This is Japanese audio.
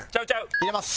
入れます。